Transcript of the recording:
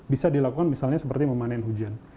bisa dilakukan misalnya seperti memanen hujan